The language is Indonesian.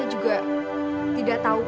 saya juga tidak tahu pak